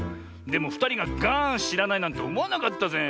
でもふたりがガーンしらないなんておもわなかったぜ。